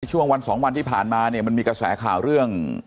ช่วงวันสองวันที่ผ่านมาเนี่ยมันมีกระแสข่าวเรื่อง